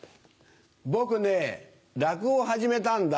僕ね落語を始めたんだ。